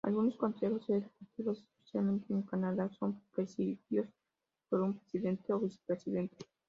Algunos Consejos Ejecutivos, especialmente en Canadá, son presididos por un Presidente o Vicepresidente.